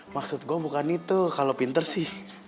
maksud gue bukan itu kalau pinter sih